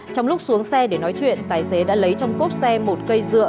trong lúc xuống xe để nói chuyện tài xế đã lấy trong cốp xe một cây dựa